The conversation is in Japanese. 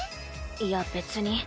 いや別に。